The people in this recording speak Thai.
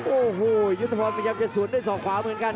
โอ้โหยุตภัณฑ์พยายามจะสวนด้วย๒ขวาเหมือนกัน